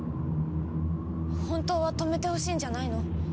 本当は止めてほしいんじゃないの？